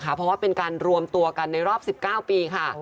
เพราะว่าเป็นการรวมตัวกันในรอบ๑๙ปีค่ะ